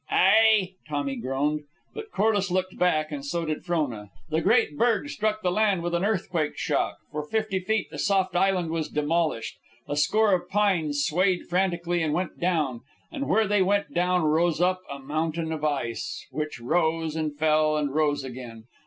"Ay," Tommy groaned. But Corliss looked back, and so did Frona. The great berg struck the land with an earthquake shock. For fifty feet the soft island was demolished. A score of pines swayed frantically and went down, and where they went down rose up a mountain of ice, which rose, and fell, and rose again.